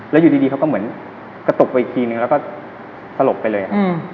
แล้วอยู่ดีเขาก็เหมือนกระตุกไปอีกทีนึงแล้วก็สลบไปเลย